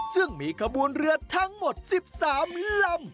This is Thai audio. ซึ่งมีขบวนเรือทั้งหมด๑๓ลำ